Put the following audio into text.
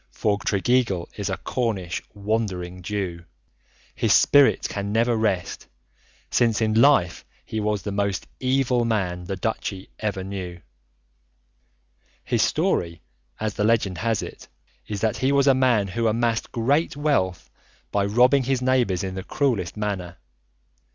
For Tregeagle is a Cornish "Wandering Jew"; his spirit can never rest, since in life he was the most evil man the Duchy ever knew. His story, as the legend has it, is that he was a man who amassed great wealth by robbing his neighbours in the cruellest manner.